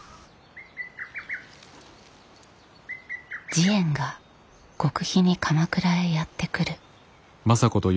慈円が極秘に鎌倉へやって来る。